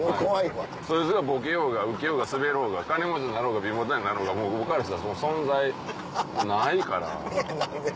そいつがボケようがウケようがスベろうが金持ちになろうが貧乏ったれなろうが僕からしたら存在ないから。